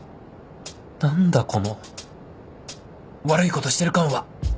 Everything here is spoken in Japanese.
何だこの悪いことしてる感は！